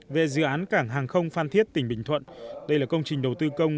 về dự án cảng hàng không phan thiết tỉnh bình thuận đây là công trình đầu tư công